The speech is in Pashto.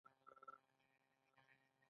کمزوری مه ځوروئ